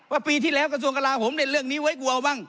ปีที่แล้วกระทรวงกลาโหมในเรื่องนี้ไว้กลัวบ้าง